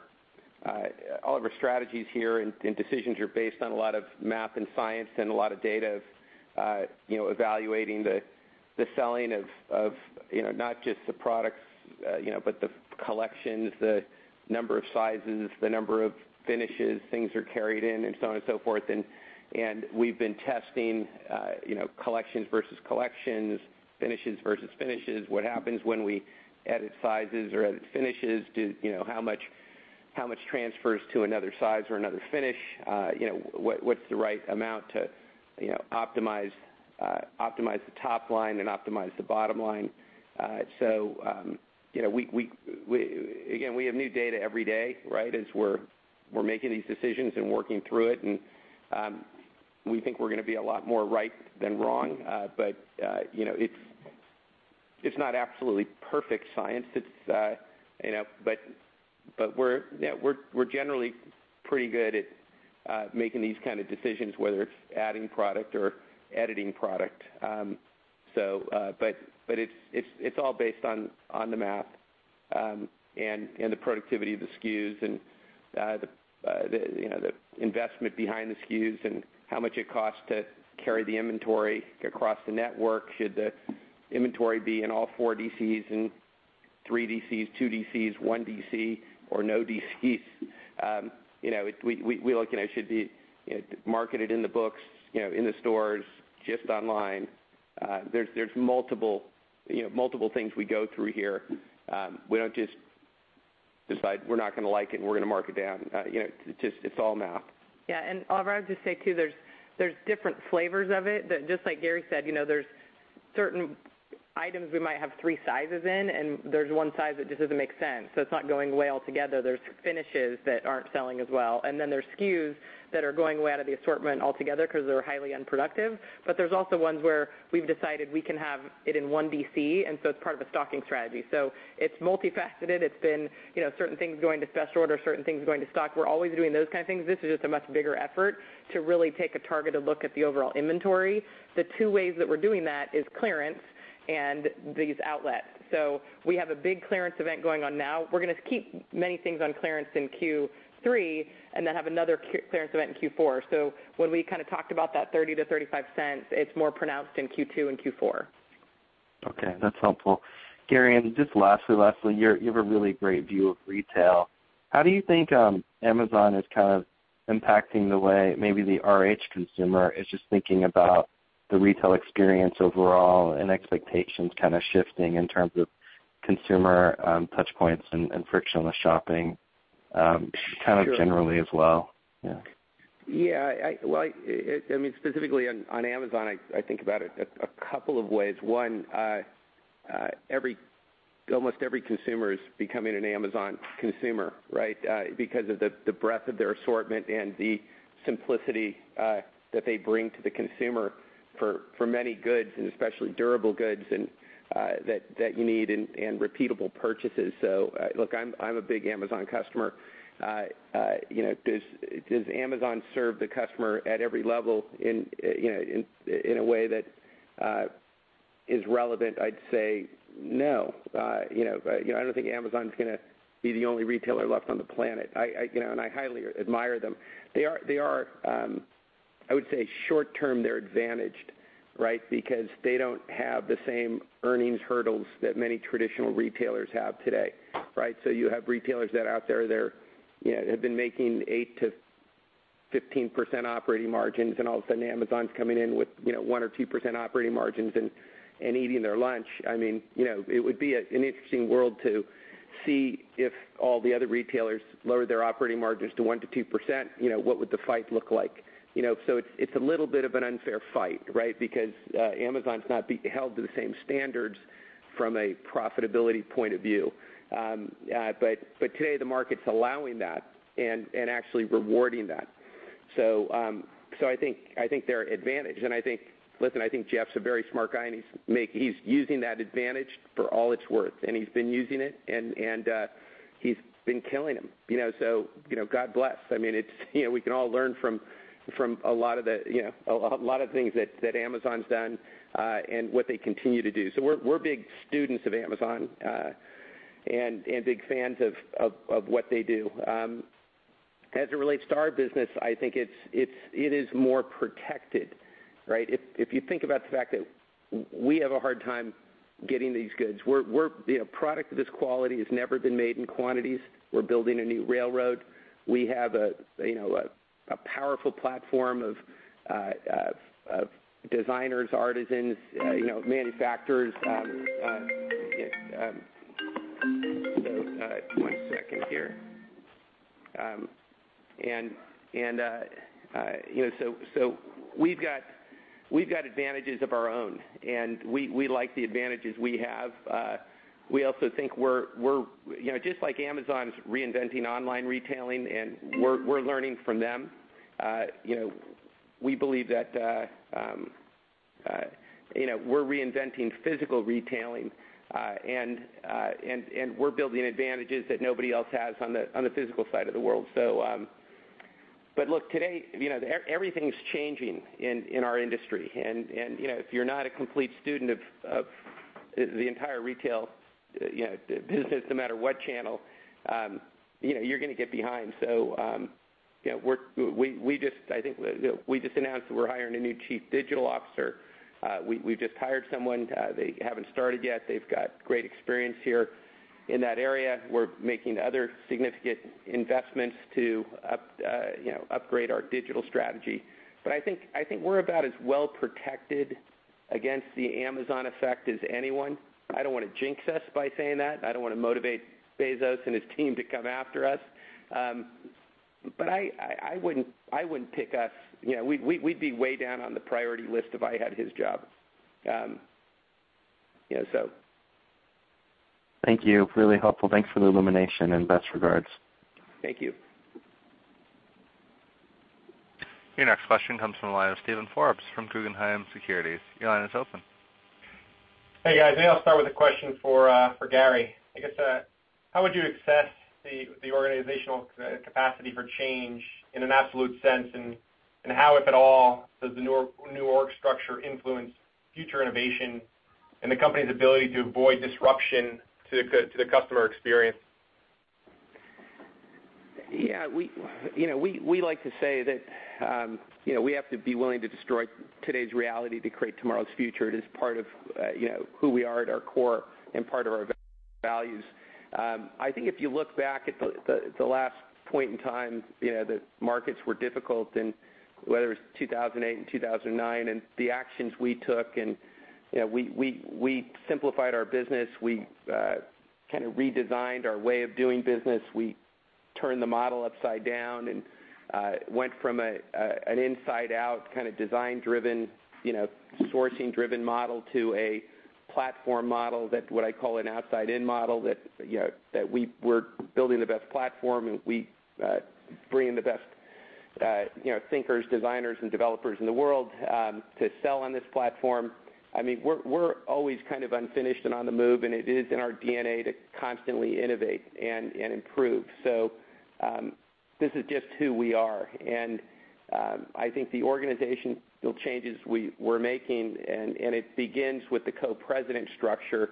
strategies here and decisions are based on a lot of math and science and a lot of data of evaluating the selling of not just the products, but the collections, the number of sizes, the number of finishes things are carried in and so on and so forth. We've been testing collections versus collections, finishes versus finishes. What happens when we edit sizes or edit finishes? How much transfers to another size or another finish? What's the right amount to optimize the top line and optimize the bottom line? Again, we have new data every day as we're making these decisions and working through it. We think we're going to be a lot more right than wrong. It's not absolutely perfect science. We're generally pretty good at making these kind of decisions, whether it's adding product or editing product. It's all based on the math and the productivity of the SKUs and the investment behind the SKUs and how much it costs to carry the inventory across the network. Should the inventory be in all 4 DCs and 3 DCs, 2 DCs, 1 DC, or no DCs? We look, should it be marketed in the books, in the stores, just online? There are multiple things we go through here. We don't just decide we're not going to like it and we're going to mark it down. It's all math. Yeah. Oliver, I'll just say too, there are different flavors of it. Just like Gary said, there are certain items we might have 3 sizes in, and there is 1 size that just doesn't make sense. It's not going well together. There are finishes that aren't selling as well. There are SKUs that are going way out of the assortment altogether because they're highly unproductive. There are also ones where we've decided we can have it in 1 DC. It's part of a stocking strategy. It's multifaceted. It's been certain things going to special order, certain things going to stock. We're always doing those kind of things. This is just a much bigger effort to really take a targeted look at the overall inventory. The 2 ways that we're doing that is clearance and these outlets. We have a big clearance event going on now. We're going to keep many things on clearance in Q3 and then have another clearance event in Q4. When we talked about that $0.30-$0.35, it's more pronounced in Q2 and Q4. Okay, that's helpful. Gary, just lastly, you have a really great view of retail. How do you think Amazon is impacting the way maybe the RH consumer is just thinking about the retail experience overall and expectations shifting in terms of consumer touch points and frictionless shopping- Sure kind of generally as well? Yeah. Yeah. Specifically on Amazon, I think about it a couple of ways. One, almost every consumer is becoming an Amazon consumer, because of the breadth of their assortment and the simplicity that they bring to the consumer for many goods, and especially durable goods that you need and repeatable purchases. Look, I'm a big Amazon customer. Does Amazon serve the customer at every level in a way that is relevant? I'd say no. I don't think Amazon's going to be the only retailer left on the planet. I highly admire them. I would say short-term, they're advantaged. Because they don't have the same earnings hurdles that many traditional retailers have today. You have retailers that out there, have been making 8%-15% operating margins, and all of a sudden Amazon's coming in with 1% or 2% operating margins and eating their lunch. It would be an interesting world to see if all the other retailers lowered their operating margins to 1%-2%, what would the fight look like? It's a little bit of an unfair fight. Because Amazon's not being held to the same standards from a profitability point of view. Today, the market's allowing that and actually rewarding that. I think they're advantaged, and listen, I think Jeff's a very smart guy, and he's using that advantage for all it's worth, and he's been using it, and he's been killing them. God bless. We can all learn from a lot of things that Amazon's done, and what they continue to do. We're big students of Amazon, and big fans of what they do. As it relates to our business, I think it is more protected. One second here. We've got advantages of our own, and we like the advantages we have. We also think just like Amazon's reinventing online retailing, and we're learning from them, we believe that we're reinventing physical retailing, and we're building advantages that nobody else has on the physical side of the world. Look, today, everything's changing in our industry. If you're not a complete student of the entire retail business, no matter what channel, you're going to get behind. I think we just announced that we're hiring a new chief digital officer. We've just hired someone. They haven't started yet. They've got great experience here in that area. We're making other significant investments to upgrade our digital strategy. I think we're about as well-protected against the Amazon effect as anyone. I don't want to jinx us by saying that. I don't want to motivate Bezos and his team to come after us. I wouldn't pick us. We'd be way down on the priority list if I had his job. Yeah, so. Thank you. Really helpful. Thanks for the illumination and best regards. Thank you. Your next question comes from the line of Steven Forbes from Guggenheim Securities. Your line is open. Hey, guys. Maybe I'll start with a question for Gary. I guess, how would you assess the organizational capacity for change in an absolute sense? How, if at all, does the new co-president structure influence future innovation and the company's ability to avoid disruption to the customer experience? Yeah. We like to say that we have to be willing to destroy today's reality to create tomorrow's future. It is part of who we are at our core and part of our values. I think if you look back at the last point in time, the markets were difficult, and whether it was 2008 and 2009, and the actions we took, and we simplified our business. We kind of redesigned our way of doing business. We turned the model upside down and went from an inside-out design-driven, sourcing-driven model to a platform model, what I call an outside-in model, that we're building the best platform, and we bring in the best thinkers, designers, and developers in the world to sell on this platform. We're always kind of unfinished and on the move, and it is in our DNA to constantly innovate and improve. This is just who we are. I think the organizational changes we're making, and it begins with the co-president structure,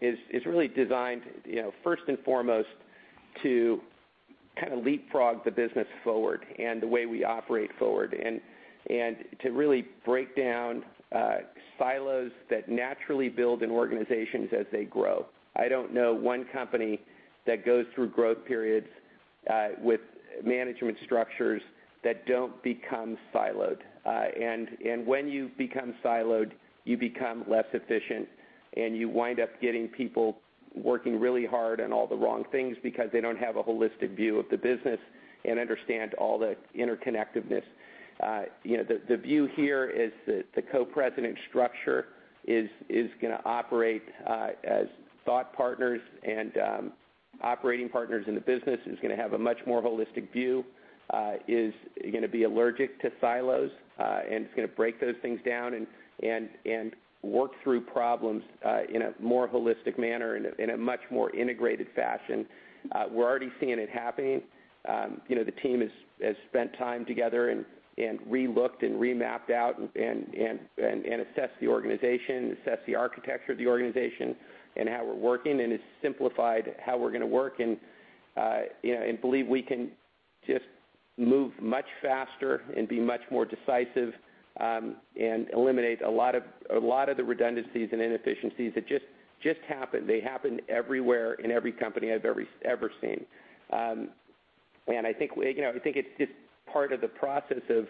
is really designed, first and foremost, to kind of leapfrog the business forward and the way we operate forward and to really break down silos that naturally build in organizations as they grow. I don't know one company that goes through growth periods with management structures that don't become siloed. When you become siloed, you become less efficient, and you wind up getting people working really hard on all the wrong things because they don't have a holistic view of the business and understand all the interconnectedness. The view here is that the co-president structure is going to operate as thought partners and operating partners in the business, is going to have a much more holistic view, is going to be allergic to silos, and it's going to break those things down and work through problems in a more holistic manner and in a much more integrated fashion. We're already seeing it happening. The team has spent time together and re-looked, and re-mapped out and assessed the organization, assessed the architecture of the organization and how we're working, and has simplified how we're going to work and believe we can just move much faster and be much more decisive, and eliminate a lot of the redundancies and inefficiencies that just happen. They happen everywhere in every company I've ever seen. I think it's just part of the process of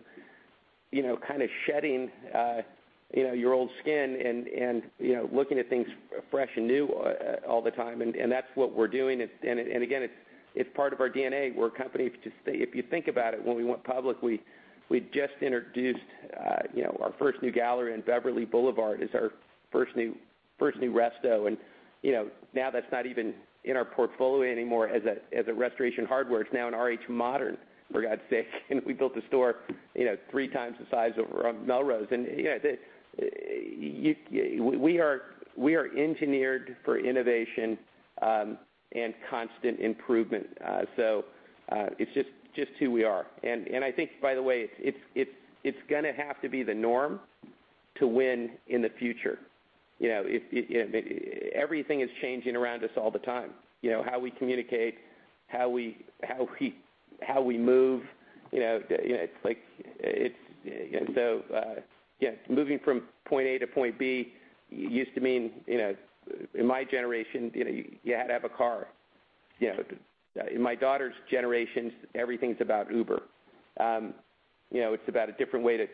kind of shedding your old skin and looking at things fresh and new all the time. That's what we're doing. Again, it's part of our DNA. We're a company, if you think about it, when we went public, we just introduced our first new gallery in Beverly Boulevard as our first new resto. Now that's not even in our portfolio anymore as a Restoration Hardware. It's now an RH Modern, for God's sake. We built a store three times the size over on Melrose. We are engineered for innovation and constant improvement. It's just who we are. I think, by the way, it's going to have to be the norm to win in the future. Everything is changing around us all the time. How we communicate, how we move. Moving from point A to point B used to mean, in my generation, you had to have a car. In my daughter's generation, everything's about Uber. It's about a different way to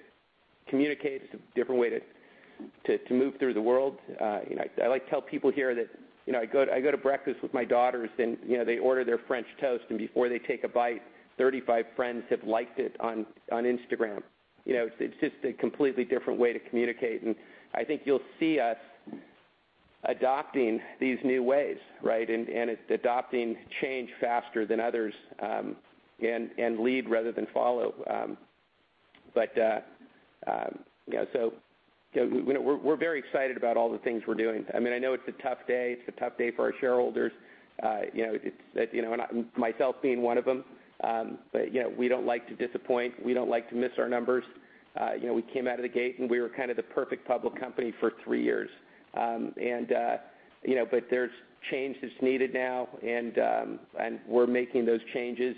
communicate. It's a different way to move through the world. I like to tell people here that I go to breakfast with my daughters, and they order their French toast, and before they take a bite, 35 friends have liked it on Instagram. It's just a completely different way to communicate, I think you'll see us adopting these new ways, right? Adopting change faster than others, and lead rather than follow. We're very excited about all the things we're doing. I know it's a tough day. It's a tough day for our shareholders, myself being one of them. We don't like to disappoint. We don't like to miss our numbers. We came out of the gate, we were kind of the perfect public company for three years. There's change that's needed now, we're making those changes,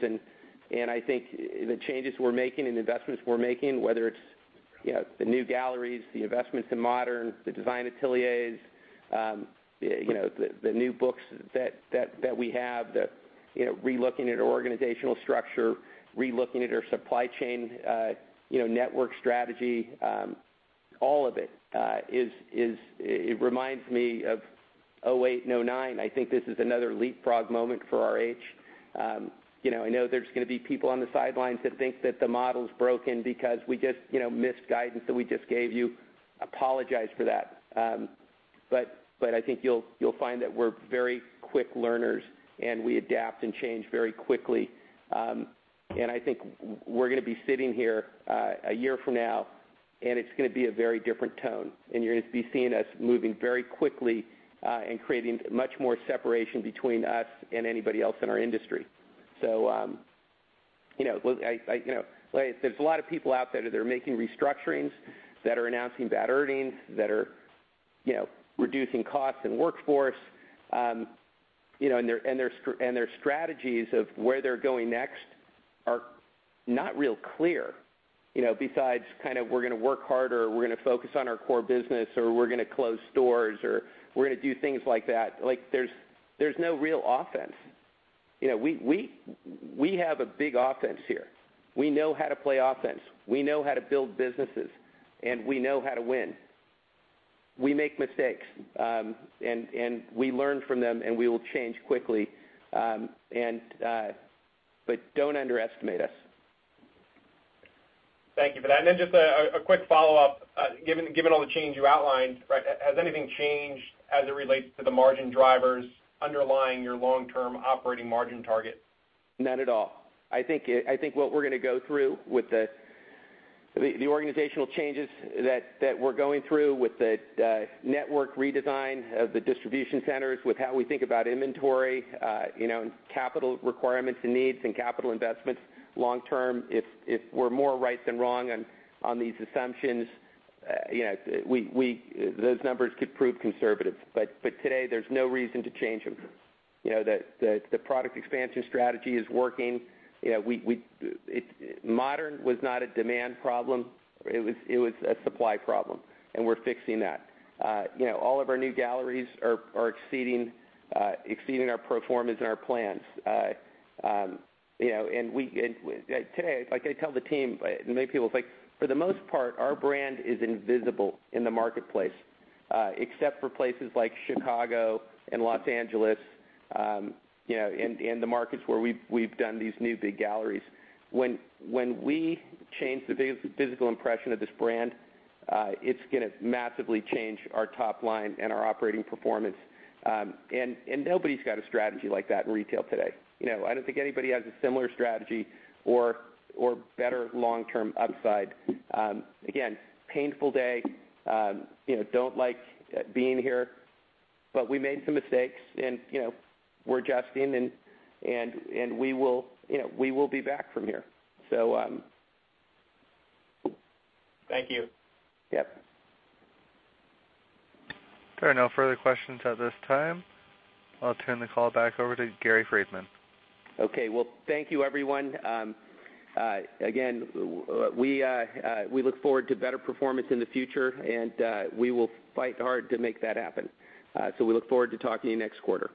I think the changes we're making and the investments we're making, whether it's the new galleries, the investments in Modern, the design ateliers, the new books that we have, the relooking at organizational structure, relooking at our supply chain network strategy, all of it reminds me of 2008 and 2009. I think this is another leapfrog moment for RH. I know there's going to be people on the sidelines that think that the model's broken because we just missed guidance that we just gave you. Apologize for that. I think you'll find that we're very quick learners, and we adapt and change very quickly. I think we're going to be sitting here a year from now and it's going to be a very different tone, and you're going to be seeing us moving very quickly and creating much more separation between us and anybody else in our industry. There's a lot of people out there that are making restructurings, that are announcing bad earnings, that are reducing costs and workforce. Their strategies of where they're going next are not real clear, besides, "We're going to work harder," or, "We're going to focus on our core business," or, "We're going to close stores," or, "We're going to do things like that." There's no real offense. We have a big offense here. We know how to play offense. We know how to build businesses, and we know how to win. We make mistakes, and we learn from them, and we will change quickly, but don't underestimate us. Thank you for that. Then just a quick follow-up. Given all the change you outlined, has anything changed as it relates to the margin drivers underlying your long-term operating margin target? Not at all. I think what we're going to go through with the organizational changes that we're going through with the network redesign of the distribution centers, with how we think about inventory, and capital requirements and needs and capital investments long term, if we're more right than wrong on these assumptions, those numbers could prove conservative. Today, there's no reason to change them. The product expansion strategy is working. Modern was not a demand problem. It was a supply problem, and we're fixing that. All of our new galleries are exceeding our pro formas and our plans. Today, like I tell the team, many people, for the most part, our brand is invisible in the marketplace, except for places like Chicago and Los Angeles, and the markets where we've done these new big galleries. When we change the physical impression of this brand, it's going to massively change our top line and our operating performance. Nobody's got a strategy like that in retail today. I don't think anybody has a similar strategy or better long-term upside. Again, painful day. Don't like being here, we made some mistakes and we're adjusting and we will be back from here. Thank you. Yep. There are no further questions at this time. I'll turn the call back over to Gary Friedman. Okay. Well, thank you everyone. Again, we look forward to better performance in the future, we will fight hard to make that happen. We look forward to talking to you next quarter.